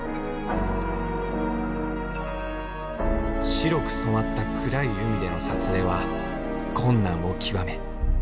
白く染まった暗い海での撮影は困難を極め。